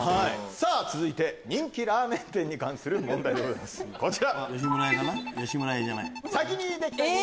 続いて人気ラーメン店に関する問題でございますこちら。